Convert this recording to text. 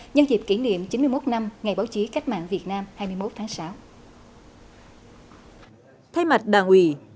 nhân dịp kỷ niệm chín mươi một năm ngày báo chí cách mạng việt nam hai mươi một tháng sáu